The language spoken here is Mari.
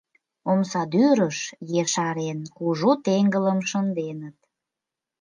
Омсадӱрыш, ешарен, кужу теҥгылым шынденыт.